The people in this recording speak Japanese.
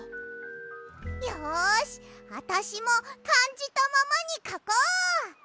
よしあたしもかんじたままにかこう！